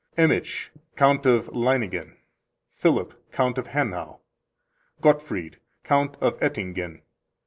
Emich, Count of Leiningen. Philip, Count of Hanau. Gottfried, Count of Oettingen.